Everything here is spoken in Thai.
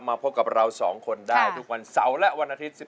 พบกับเรา๒คนได้ทุกวันเสาร์และวันอาทิตย์